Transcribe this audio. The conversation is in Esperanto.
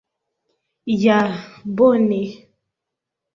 Ja, bone!